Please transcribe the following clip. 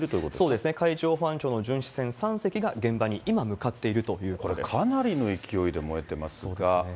そうですね、海上保安庁の巡視船３隻が、現場に今、これ、かなりの勢いで燃えてますが。